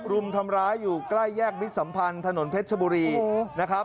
รุมทำร้ายอยู่ใกล้แยกมิตรสัมพันธ์ถนนเพชรชบุรีนะครับ